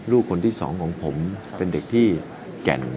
ลูกคนที่สองของผมเป็นเด็กที่แก่น